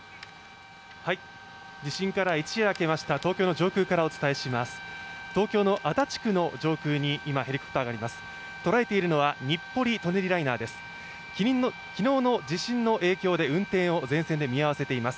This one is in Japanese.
地震から一夜明けました東京の上空からお伝えします。